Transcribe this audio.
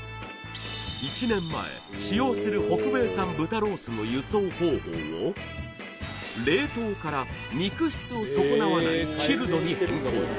１年前使用する北米産豚ロースの輸送方法を冷凍から肉質を損なわないチルドに変更